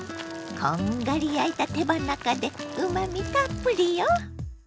こんがり焼いた手羽中でうまみたっぷりよ。